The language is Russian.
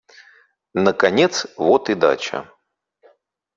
Наконец вот и дача.